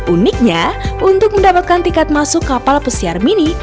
uniknya untuk mendapatkan tiket masuk kapal pesiar mini